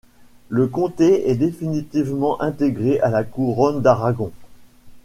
Le comté est définitivement intégré à la Couronne d'Aragon.